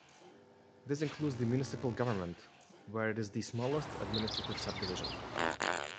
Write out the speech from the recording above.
This includes the municipal government, where it is the smallest administrative subdivision.